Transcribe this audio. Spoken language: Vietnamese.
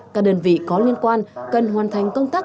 các đơn vị có liên quan cần hoàn thành công tác